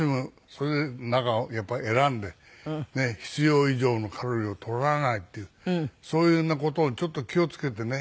それでやっぱり選んで必要以上のカロリーを取らないっていうそういうような事をちょっと気を付けてね。